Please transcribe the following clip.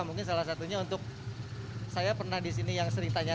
mungkin salah satunya untuk saya pernah disini yang sering tanya